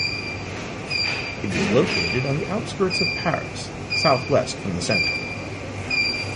It is located on the outskirts of Paris, southwest from the centre.